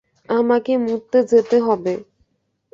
আমাকে মুততে যেতে হবে।